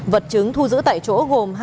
vật chứng thu giữ tại chỗ gồm